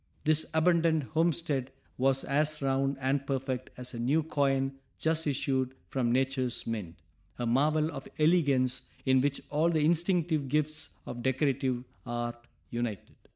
This abandoned homestead was as round and perfect as a new coin just issued from nature's mint, a marvel of elegance in which all the instinctive gifts of decorative art united.